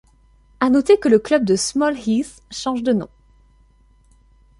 À noter que le club de Small Heath change de nom.